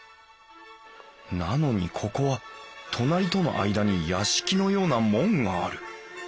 なのにここは隣との間に屋敷のような門がある。